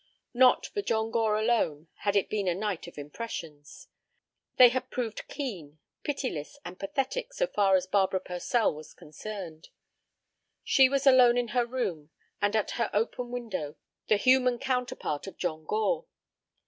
Not for John Gore alone had it been a night of impressions. They had proved keen, pitiless, and pathetic so far as Barbara Purcell was concerned. She was alone in her room, and at her open window, the human counterpart of John Gore.